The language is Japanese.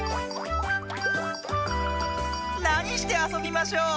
なにしてあそびましょう？